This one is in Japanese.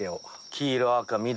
黄色赤緑。